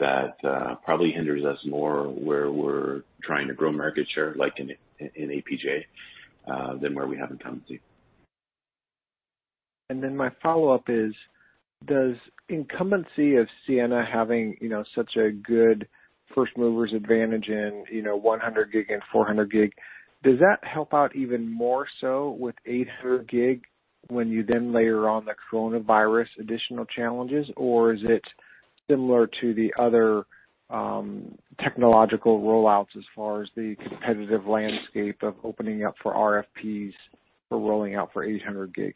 that probably hinders us more where we're trying to grow market share like in APJ than where we have incumbency. And then my follow-up is, does incumbency of Ciena having such a good first-mover's advantage in 100G and 400G, does that help out even more so with 800G when you then layer on the coronavirus additional challenges? Or is it similar to the other technological rollouts as far as the competitive landscape of opening up for RFPs for rolling out for 800G?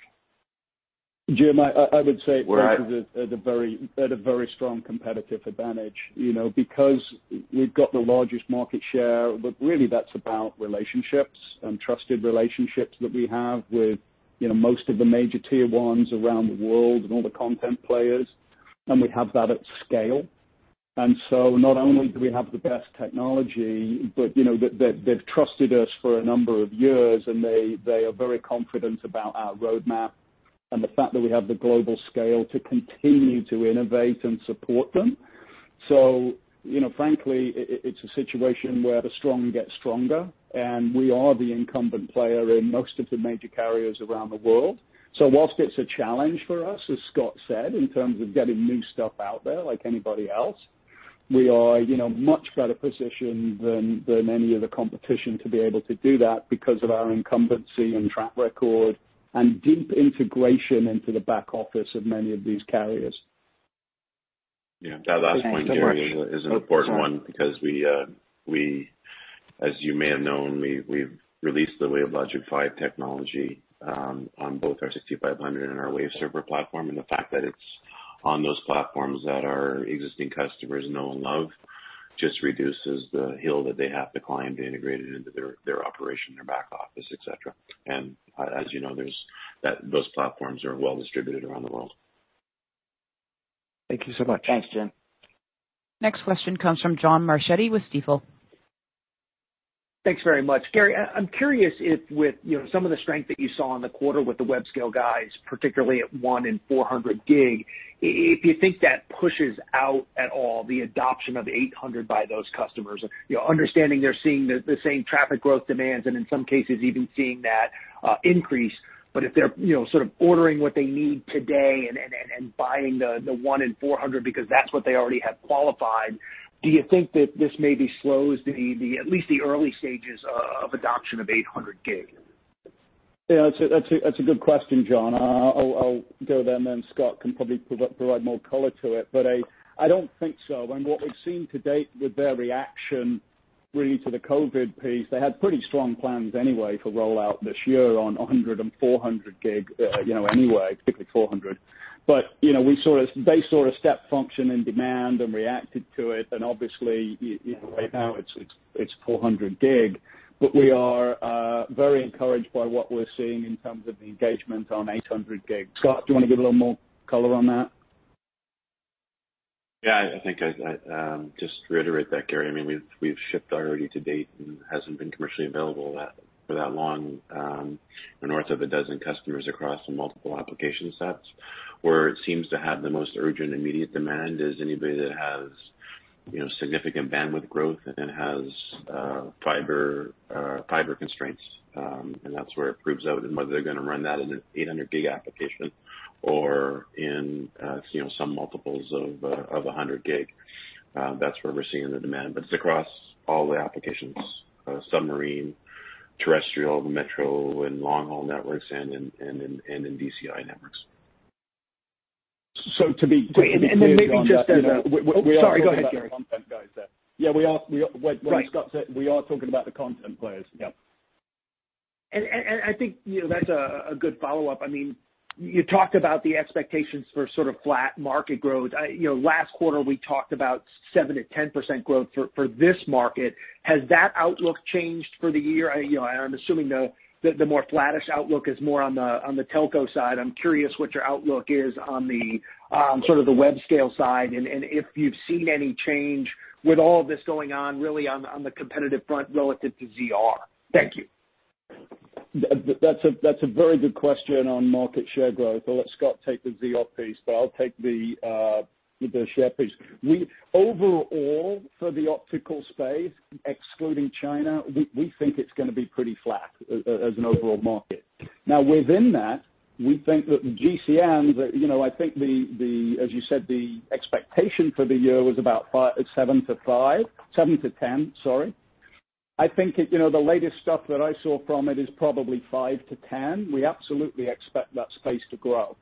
Jim, I would say it places at a very strong competitive advantage because we've got the largest market share. But really, that's about relationships and trusted relationships that we have with most of the major Tier-1s around the world and all the content players. And we have that at scale. And so not only do we have the best technology, but they've trusted us for a number of years, and they are very confident about our roadmap and the fact that we have the global scale to continue to innovate and support them. So frankly, it's a situation where the strong get stronger. And we are the incumbent player in most of the major carriers around the world. So whilst it's a challenge for us, as Scott said, in terms of getting new stuff out there like anybody else, we are in a much better position than any of the competition to be able to do that because of our incumbency and track record and deep integration into the back office of many of these carriers. Yeah. That point, Gary, is an important one because we, as you may have known, we've released the WaveLogic 5 technology on both our 6500 and our Waveserver platform. And the fact that it's on those platforms that our existing customers know and love just reduces the hill that they have to climb to integrate it into their operation, their back office, etc. And as you know, those platforms are well distributed around the world. Thank you so much. Thanks, Jim. Next question comes from John Marchetti with Stifel. Thanks very much, Gary. I'm curious if with some of the strength that you saw in the quarter with the Webscale guys, particularly at 100 and 400G, if you think that pushes out at all the adoption of 800 by those customers, understanding they're seeing the same traffic growth demands and in some cases even seeing that increase. But if they're sort of ordering what they need today and buying the 100 and 400 because that's what they already have qualified, do you think that this maybe slows at least the early stages of adoption of 800G? Yeah. That's a good question, John. I'll go then. Then Scott can probably provide more color to it. But I don't think so. What we've seen to date with their reaction really to the COVID piece, they had pretty strong plans anyway for rollout this year on 100 and 400G anyway, particularly 400. They saw a step function in demand and reacted to it. Obviously, right now it's 400G. We are very encouraged by what we're seeing in terms of the engagement on 800G. Scott, do you want to give a little more color on that? Yeah. I think I just reiterate that, Gary. I mean, we've shipped already to date and hasn't been commercially available for that long. We're north of a dozen customers across the multiple application sets. Where it seems to have the most urgent immediate demand is anybody that has significant bandwidth growth and has fiber constraints. And that's where it proves out in whether they're going to run that in an 800G application or in some multiples of 100G. That's where we're seeing the demand. But it's across all the applications: submarine, terrestrial, metro, and long-haul networks, and in DCI networks. To be completely honest, we are talking about the content guys there. Yeah. When Scott said, "We are talking about the content players." Yeah. And I think that's a good follow-up. I mean, you talked about the expectations for sort of flat market growth. Last quarter, we talked about 7%-10% growth for this market. Has that outlook changed for the year? I'm assuming the more flattish outlook is more on the telco side. I'm curious what your outlook is on sort of the web-scale side and if you've seen any change with all of this going on really on the competitive front relative to ZR. Thank you. That's a very good question on market share growth. I'll let Scott take the ZR piece, but I'll take the share piece. Overall, for the optical space, excluding China, we think it's going to be pretty flat as an overall market. Now, within that, we think that GCNs, I think, as you said, the expectation for the year was about 7-10. Sorry. I think the latest stuff that I saw from it is probably 5-10. We absolutely expect that space to grow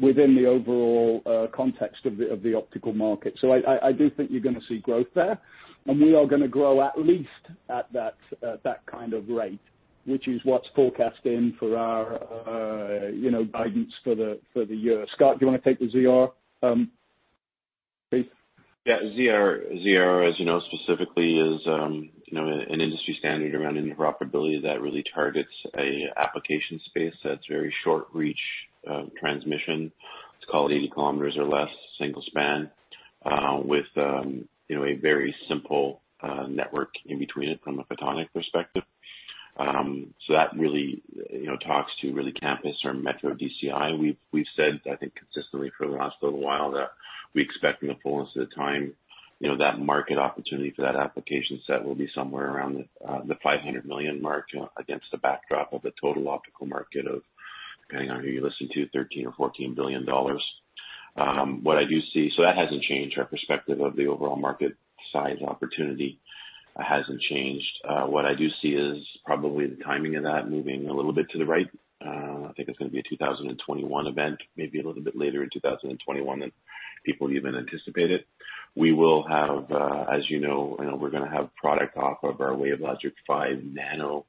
within the overall context of the optical market, so I do think you're going to see growth there, and we are going to grow at least at that kind of rate, which is what's forecast in for our guidance for the year. Scott, do you want to take the ZR piece? Yeah. ZR, as you know, specifically is an industry standard around interoperability that really targets an application space that's very short-reach transmission. It's called 80 km or less single span with a very simple network in between it from a photonic perspective. So that really talks to really campus or metro DCI. We've said, I think, consistently for the last little while that we expect in the fullness of the time that market opportunity for that application set will be somewhere around the $500 million mark against the backdrop of the total optical market of, depending on who you listen to, $13 billion or $14 billion. What I do see so that hasn't changed our perspective of the overall market size opportunity hasn't changed. What I do see is probably the timing of that moving a little bit to the right. I think it's going to be a 2021 event, maybe a little bit later in 2021 than people even anticipated. We will have, as you know, we're going to have product off of our WaveLogic 5 Nano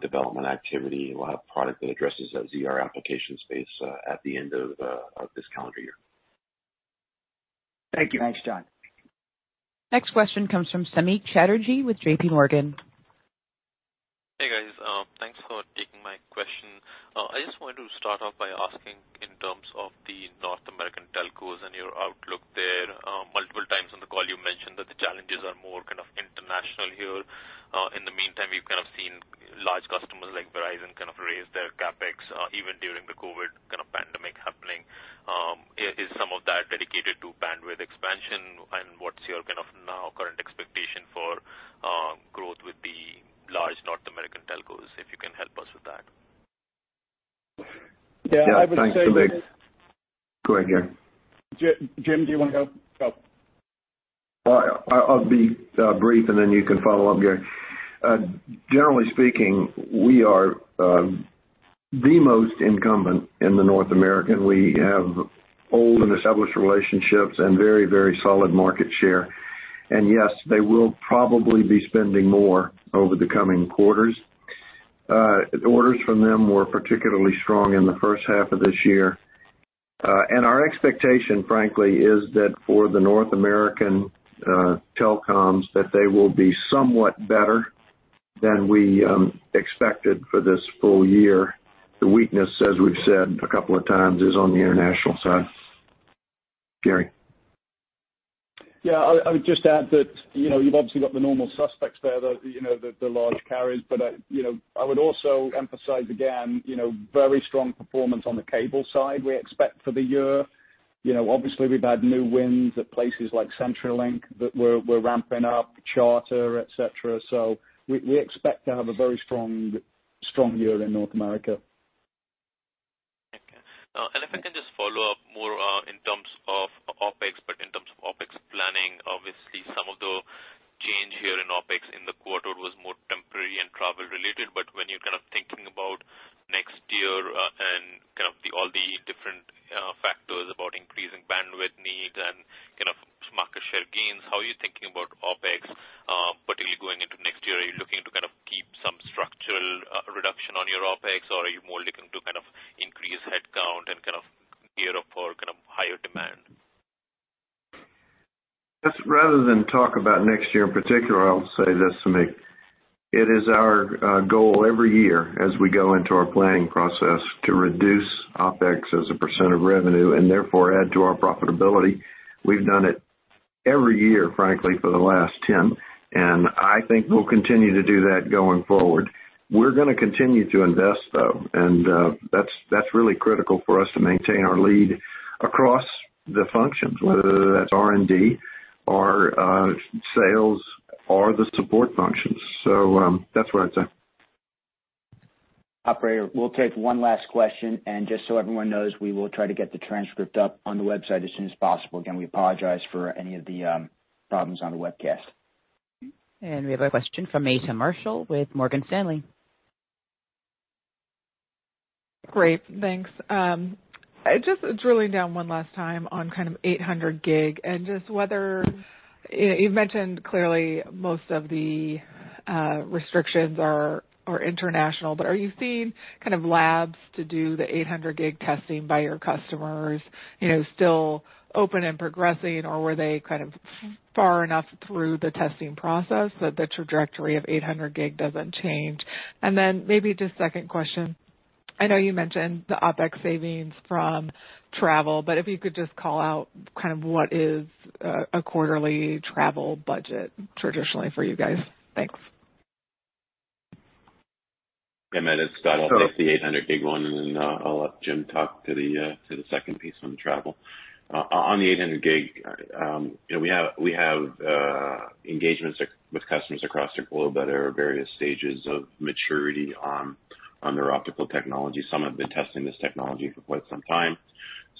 development activity. We'll have product that addresses that ZR application space at the end of this calendar year. Thank you. Thanks, John. Next question comes from Samik Chatterjee with JP Morgan. Hey, guys. Thanks for taking my question. I just wanted to start off by asking in terms of the North American telcos and your outlook there. Multiple times on the call, you mentioned that the challenges are more kind of international here. In the meantime, we've kind of seen large customers like Verizon kind of raise their CapEx even during the COVID kind of pandemic happening. Is some of that dedicated to bandwidth expansion? And what's your kind of now current expectation for growth with the large North American telcos if you can help us with that? Yeah. I would say. Thanks, Samik Go ahead, Gary. Jim, do you want to go? Go. I'll be brief, and then you can follow up, Gary. Generally speaking, we are the most incumbent in the North American. We have old and established relationships and very, very solid market share. And yes, they will probably be spending more over the coming quarters. Orders from them were particularly strong in the first half of this year. And our expectation, frankly, is that for the North American telecoms, that they will be somewhat better than we expected for this full year. The weakness, as we've said a couple of times, is on the international side. Gary. Yeah. I would just add that you've obviously got the normal suspects there, the large carriers, but I would also emphasize again, very strong performance on the cable side we expect for the year. Obviously, we've had new wins at places like CenturyLink that we're ramping up, Charter, etc., so we expect to have a very strong year in North America. Okay. And if I can just follow up more in terms of OpEx, but in terms of OpEx planning, obviously, some of the change here in OpEx in the quarter was more temporary and travel-related. But when you're kind of thinking about next year and kind of all the different factors about increasing bandwidth needs and kind of market share gains, how are you thinking about OpEx, particularly going into next year? Are you looking to kind of keep some structural reduction on your OpEx, or are you more looking to kind of increase headcount and kind of gear up for kind of higher demand? Rather than talk about next year in particular, I'll say this to me. It is our goal every year as we go into our planning process to reduce OpEx as a % of revenue and therefore add to our profitability. We've done it every year, frankly, for the last 10, and I think we'll continue to do that going forward. We're going to continue to invest, though, and that's really critical for us to maintain our lead across the functions, whether that's R&D or sales or the support functions, so that's what I'd say. Operator, we'll take one last question. Just so everyone knows, we will try to get the transcript up on the website as soon as possible. Again, we apologize for any of the problems on the webcast. We have a question from Meta Marshall with Morgan Stanley. Great. Thanks. Just drilling down one last time on kind of 800G and just whether you've mentioned clearly most of the restrictions are international. But are you seeing kind of labs to do the 800G testing by your customers still open and progressing, or were they kind of far enough through the testing process that the trajectory of 800G doesn't change? And then maybe just second question. I know you mentioned the OpEx savings from travel, but if you could just call out kind of what is a quarterly travel budget traditionally for you guys. Thanks. And then it's got all 50 800G ones. Then I'll let Jim talk to the second piece on the travel. On the 800G, we have engagements with customers across the globe that are at various stages of maturity on their optical technology. Some have been testing this technology for quite some time.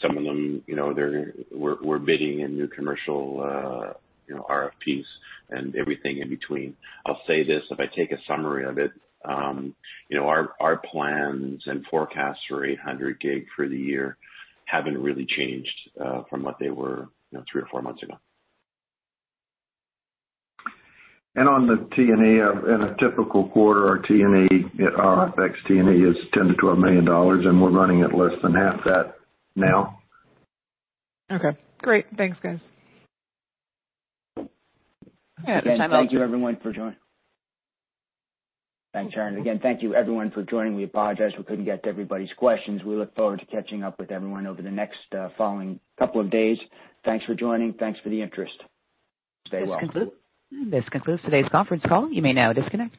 Some of them, we're bidding in new commercial RFPs and everything in between. I'll say this. If I take a summary of it, our plans and forecasts for 800G for the year haven't really changed from what they were three or four months ago. On the T&E, in a typical quarter, our OpEx T&E is $10 million-$12 million, and we're running at less than half that now. Okay. Great. Thanks, guys. Yeah. Thanks, John. Thank you, everyone, for joining. Thanks, Aaron. Again, thank you, everyone, for joining. We apologize. We couldn't get to everybody's questions. We look forward to catching up with everyone over the next following couple of days. Thanks for joining. Thanks for the interest. Stay well. This concludes today's conference call. You may now disconnect.